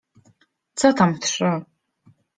Co tam trzy!